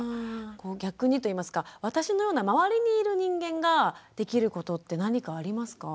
逆にといいますか私のような周りにいる人間ができることって何かありますか？